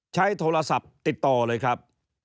ใช้โทรศัพท์ติดต่อเลยครับ